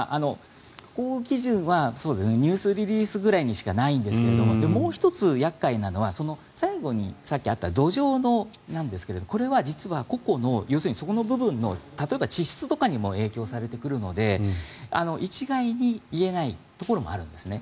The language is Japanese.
基準はニュースリリースぐらいしかないんですがもう１つ、厄介なのは土壌なんですがこれは個々のそこの部分の地質とかにも影響されてくるので一概に言えないところもあるんですね。